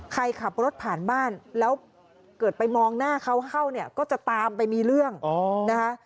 ขับรถผ่านบ้านแล้วเกิดไปมองหน้าเขาเข้าเนี่ยก็จะตามไปมีเรื่องนะคะ